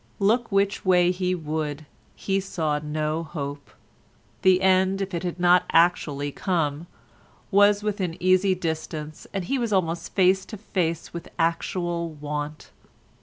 Look which way he would he saw no hope; the end, if it had not actually come, was within easy distance and he was almost face to face with actual want.